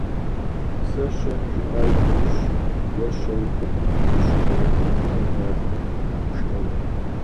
«Сэ-щэ?» жиӏа нэужь «Уэ щэ ухъуркъым, зыщ узэрыхъур» жиӏэрт адэм гушыӏэурэ.